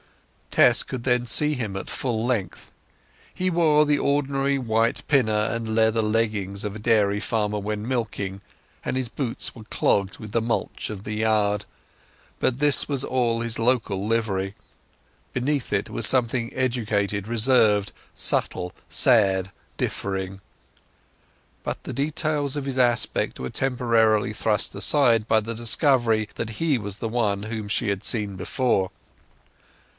Tess could then see him at full length. He wore the ordinary white pinner and leather leggings of a dairy farmer when milking, and his boots were clogged with the mulch of the yard; but this was all his local livery. Beneath it was something educated, reserved, subtle, sad, differing. But the details of his aspect were temporarily thrust aside by the discovery that he was one whom she had seen before.